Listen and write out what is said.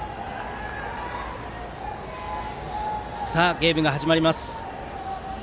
ゲームが始まります。